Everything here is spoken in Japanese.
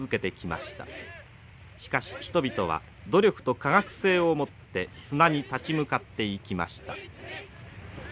しかし人々は努力と科学性をもって砂に立ち向かっていきました。